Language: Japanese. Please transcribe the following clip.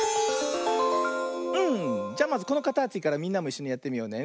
うんじゃまずこのかたちからみんなもいっしょにやってみようね。